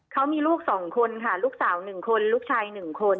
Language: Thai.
เขามีลูกสองคนค่ะลูกสาวหนึ่งคนลูกชายหนึ่งคน